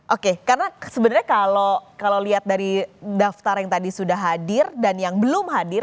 oke karena sebenarnya kalau lihat dari daftar yang tadi sudah hadir dan yang belum hadir